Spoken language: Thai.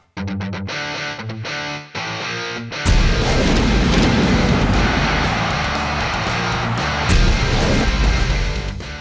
ประตูนั่นเองครับ